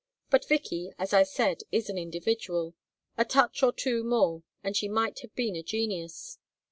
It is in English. But Vicky, as I said, is an individual: a touch or two more and she might have been a genius.